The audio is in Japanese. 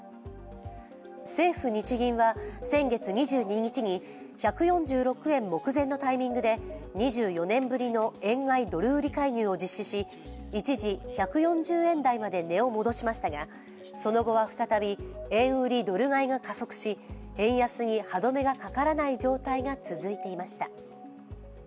政府・日銀は先月２２日に１４６円目前のタイミングで２４年ぶりの円買いドル売り介入を実施し、一時１４０円台まで値を戻しましたがその後は再び円売りドル買いが加速し円安に歯止めがかからない状態が続いていました。